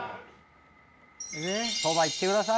そば行ってください。